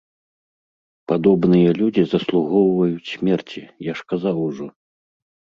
Падобныя людзі заслугоўваюць смерці, я ж казаў ужо.